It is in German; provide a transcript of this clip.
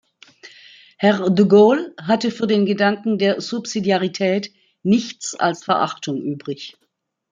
Herr de Gaulle hatte für den Gedanken der Subsidiarität nichts als Verachtung übrig.